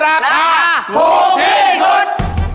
ราคาถูกที่สุด